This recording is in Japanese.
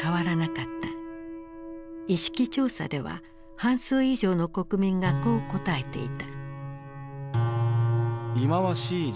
意識調査では半数以上の国民がこう答えていた。